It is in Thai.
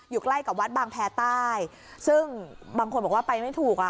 ใกล้กับวัดบางแพรใต้ซึ่งบางคนบอกว่าไปไม่ถูกอ่ะ